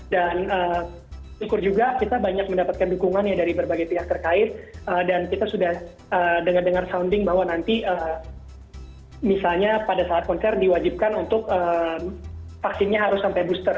dan syukur juga kita banyak mendapatkan dukungan dari berbagai pihak terkait dan kita sudah dengar dengar sounding bahwa nanti misalnya pada saat konser diwajibkan untuk vaksinnya harus sampai booster